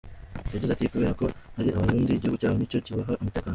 Yagize ati "Kubera ko ari Abarundi, igihugu cyabo ni cyo kibaha umutekano.